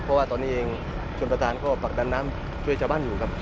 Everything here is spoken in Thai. เพราะว่าตอนนี้เองชนประธานก็ผลักดันน้ำช่วยชาวบ้านอยู่ครับ